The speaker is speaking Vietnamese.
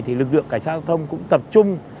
thì lực lượng cảnh sát giao thông cũng tập trung